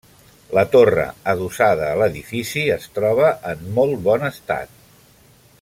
La torre, adossada a l'edifici, es troba en molt bon estat.